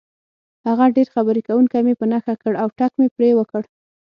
هغه ډېر خبرې کوونکی مې په نښه کړ او ټک مې پرې وکړ.